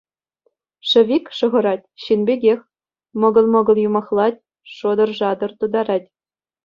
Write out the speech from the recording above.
Шӗвик! шӑхӑрать, ҫын пекех, мӑкӑл-мӑкӑл юмахлать, шӑтӑр-шатӑр тутарать.